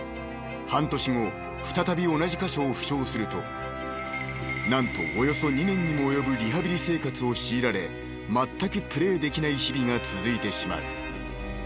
［半年後再び同じ箇所を負傷すると何とおよそ２年にも及ぶリハビリ生活を強いられまったくプレーできない日々が続いてしまう］